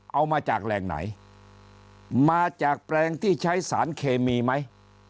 เอามาจากแหล่งไหนมาจากแปลงที่ใช้สารเคมีไหม